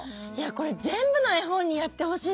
これ全部の絵本にやってほしいですね。